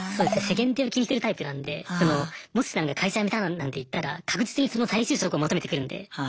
世間体を気にするタイプなんでもしなんか会社辞めたなんて言ったら確実にその再就職を求めてくるんで。